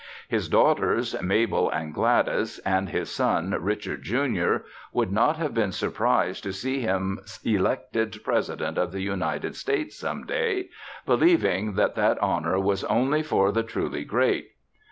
His daughters, Mabel and Gladys, and his son, Richard, Jr., would not have been surprised to see him elected President of the United States, some day, believing that that honor was only for the truly great.